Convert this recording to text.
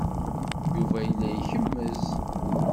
Yuba yella ikemmez.